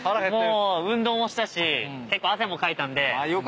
もう運動もしたし結構汗もかいたんで。